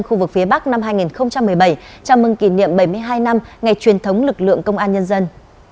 khu vực phía bắc năm hai nghìn một mươi bảy chào mừng kỷ niệm bảy mươi hai năm ngày truyền thống lực lượng công an nhân dân